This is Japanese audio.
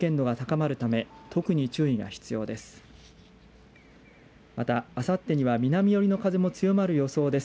また、あさってには南寄りの風も強まる予想です。